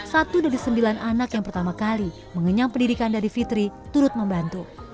satu dari sembilan anak yang pertama kali mengenyang pendidikan dari fitri turut membantu